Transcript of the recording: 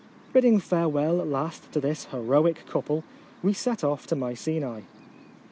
Bidding farewell at last to this heroic couple, we set off to Mycense.